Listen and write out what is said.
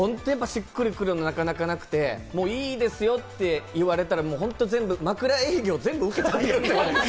しっくりくるのがなかなかなくて、いいですよ！って言われたら、本当全部、枕営業を全部受けちゃって。